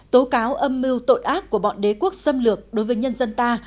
tố cáo âm mưu tội ác của bọn đế quốc xâm lược đối với nhân dân ta